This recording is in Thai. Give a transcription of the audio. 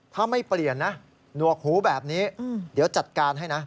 ถ้าไม่เปลี่ยนนะหนวกหูแบบนี้เดี๋ยวจัดการให้นะ